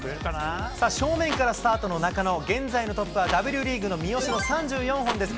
さあ、正面からスタートの中野、現在のトップはＷリーグの三好の３４本です。